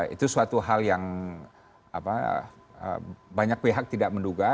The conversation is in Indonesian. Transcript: itu suatu hal yang banyak pihak tidak menduga